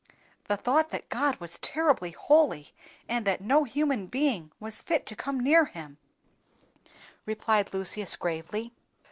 "The thought that God was terribly holy, and that no human being was fit to come near Him," replied Lucius, gravely.